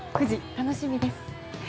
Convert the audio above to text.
楽しみです。